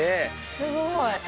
すごい！